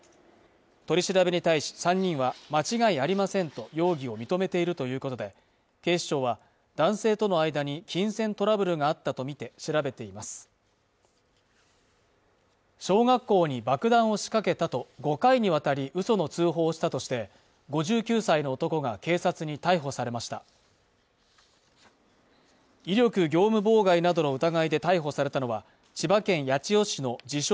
取り調べに対し３人は間違いありませんと容疑を認めているということで警視庁は男性との間に金銭トラブルがあったとみて調べています小学校に爆弾を仕掛けたと５回にわたりうその通報したとして５９歳の男が警察に逮捕されました威力業務妨害などの疑いで逮捕されたのは千葉県八千代市の自称